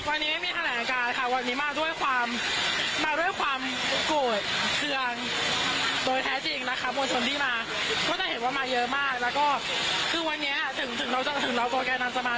วันนี้ไม่มีแถลงการค่ะวันนี้มาด้วยความโกรธเครื่องโดยแท้จริงนะคะมวลชนที่มา